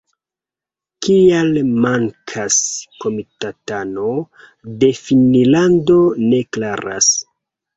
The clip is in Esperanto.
Kial mankas komitatano de Finnlando ne klaras.